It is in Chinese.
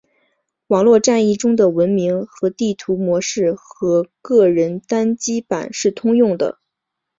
网络战役中的文明和地图模式和个人单机版是通用的。